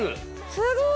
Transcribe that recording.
すごい！